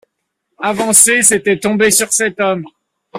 Avancer, c’était tomber sur cet homme.